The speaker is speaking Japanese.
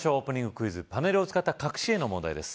クイズパネルを使った隠し絵の問題です